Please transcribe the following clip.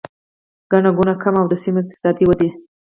ګڼه ګوڼه کمه او د سیمو اقتصادي ودې